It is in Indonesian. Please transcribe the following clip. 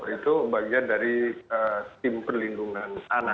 itu bagian dari tim perlindungan anak